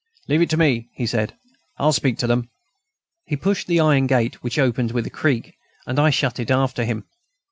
"Leave it to me," he said, "I'll speak to them." He pushed the iron gate, which opened with a creak, and I shut it after him.